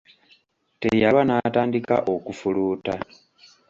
Teyalwa n'atandika okufuluuta.